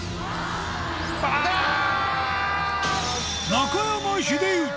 中山秀征